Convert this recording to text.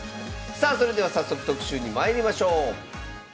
さあそれでは早速特集にまいりましょう。